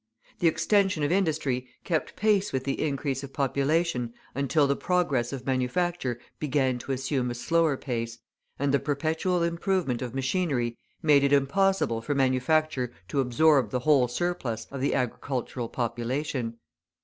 The extension of industry kept pace with the increase of population until the progress of manufacture began to assume a slower pace, and the perpetual improvement of machinery made it impossible for manufacture to absorb the whole surplus of the agricultural population.